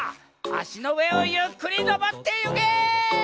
あしのうえをゆっくりのぼってゆけ！